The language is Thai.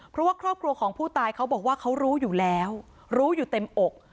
เพราะว่าครอบครัวของผู้ตายเขาบอกว่าเขารู้อยู่แล้วรู้อยู่เต็มอก